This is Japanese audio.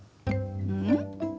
うん？